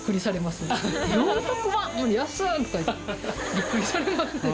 びっくりされますね。